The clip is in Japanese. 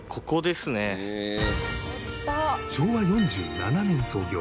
昭和４７年創業